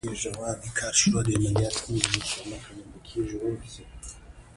پښتو ژبه زموږ د ژوند برخه ده.